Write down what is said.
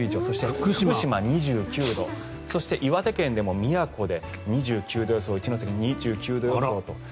そして福島、２９度そして岩手県でも宮古で２９度予想一関、２９度予想と。